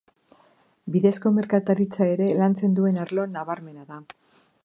Bidezko merkataritza ere lantzen duen arlo nabarmena da.